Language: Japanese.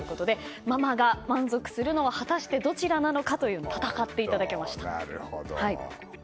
ママが満足するのは果たしてどちらなのか戦っていただきました。